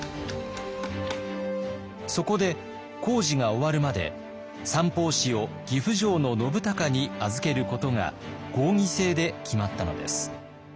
そこで工事が終わるまで三法師を岐阜城の信孝に預けることが合議制で決まったのです。